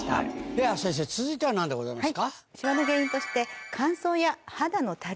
では先生続いては何でございますか？